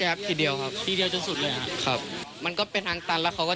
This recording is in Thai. อะไรที่เคยเข้าไปแล้วนี่